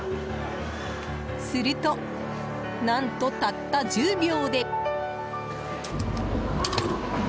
すると、何とたった１０秒で。